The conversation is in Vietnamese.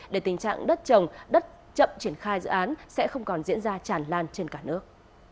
để tình trạng đất trồng đất chậm triển khai dự án sẽ không còn diễn ra tràn lan trên cả nước